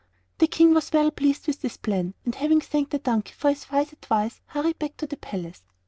The King was well pleased with this plan, and having thanked the donkey for his wise advice hurried back to the palace.